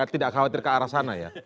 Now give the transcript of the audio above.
tidak khawatir ke arah sana ya